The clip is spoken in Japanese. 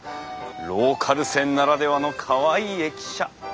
ローカル線ならではのかわいい駅舎！